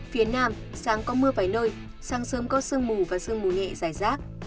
phía nam sáng có mưa vài nơi sáng sớm có sương mù và sương mù nhẹ dài rác